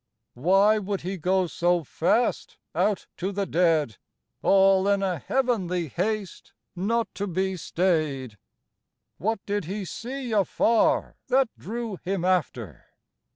Why would he go so fast Out to the dead, All in* a heavenly haste Not to be stayed ? What did he see afar That drew him after